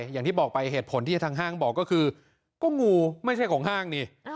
อย่างที่บอกไปเหตุผลที่ทางห้างบอกก็คือก็งูไม่ใช่ของห้างนี่